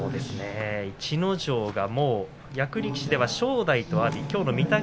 逸ノ城が役力士では正代と阿炎御嶽